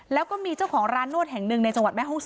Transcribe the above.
แล้วก็มีเจ้าของร้านนวดแห่งหนึ่งในจังหวัดแม่ห้องศร